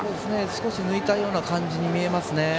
少し抜いたような感じに見えますね。